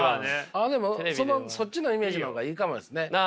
ああでもそっちのイメージの方がいいかもですね。